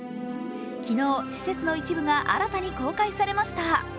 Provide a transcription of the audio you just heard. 昨日、施設の一部が新たに公開されました。